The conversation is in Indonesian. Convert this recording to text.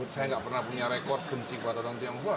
saya nggak pernah punya rekod benci kepada orang tionghoa